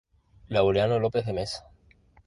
Laureano López de Mesa.